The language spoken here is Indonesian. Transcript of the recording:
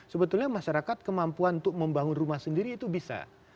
sebetulnya masyarakat kemampuan untuk membangun rumah sendiri itu bisa